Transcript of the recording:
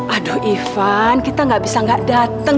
aduh ivan kita gak bisa gak dateng